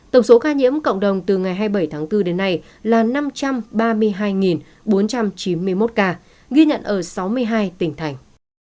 tổng số ca nhiễm cộng đồng từ ngày hai mươi bảy tháng bốn đến nay là năm trăm ba mươi hai bốn trăm chín mươi một ca ghi nhận ở sáu mươi hai tỉnh thành